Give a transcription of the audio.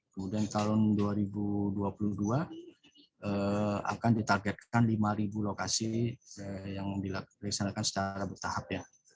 kemudian tahun dua ribu dua puluh dua akan ditargetkan lima lokasi yang dilaksanakan secara bertahap ya